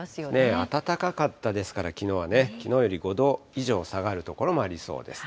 暖かかったですから、きのうはね、きのうより５度以上下がる所もありそうです。